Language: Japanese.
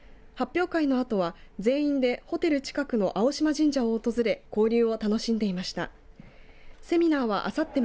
発表会のあとは全員でホテル近くの青島神社を訪れ交流を楽しんでいました。